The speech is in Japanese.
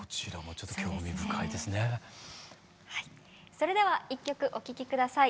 それでは１曲お聴き下さい。